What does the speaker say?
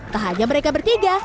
tak hanya mereka bertiga